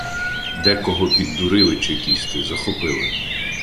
Декого піддурили чекісти — захопили.